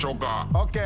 ＯＫ。